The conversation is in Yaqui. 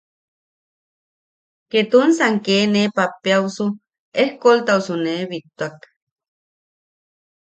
Ketunsan kee ne pappeʼeaosu eskoltausu nee bittuak.